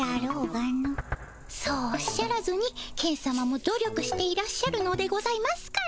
そうおっしゃらずにケンさまも努力していらっしゃるのでございますから。